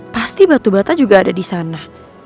pasti batu bata juga ada di sana